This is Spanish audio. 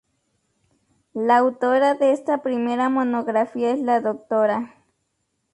La autora de esta primera monografía es la Dra.